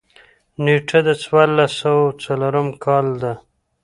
نېټه د څوارلس سوه څلورم کال ده.